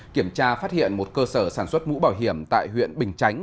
kiểm tra phát hiện một cơ sở sản xuất mũ bảo hiểm tại huyện bình chánh